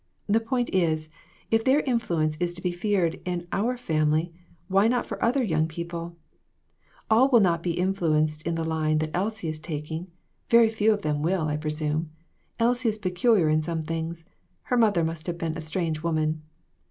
The point is, if their influence is to be feared in our family, why not for other young people ? All will not be influ enced in the line that Elsie is taking ; very few of them will, I presume. Elsie is peculiar in some things ; her mother must have been a strange woman.